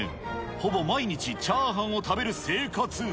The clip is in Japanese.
ほぼ毎日チャーハンを食べる生活。